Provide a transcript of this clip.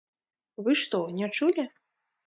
Вы што, не чулі?